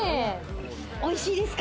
おいしいですか？